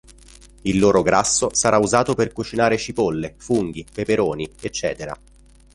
Il loro grasso sarà usato per cucinare cipolle, funghi, peperoni, ecc.